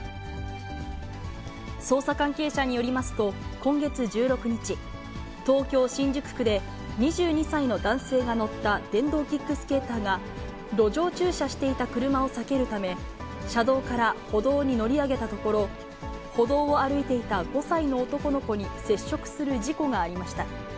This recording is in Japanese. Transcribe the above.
捜査関係者によりますと、今月１６日、東京・新宿区で、２２歳の男性が乗った電動キックスケーターが、路上駐車していた車を避けるため、車道から歩道に乗り上げたところ、歩道を歩いていた５歳の男の子に接触する事故がありました。